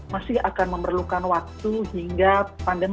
masih akan memerlukan waktu hingga pandemi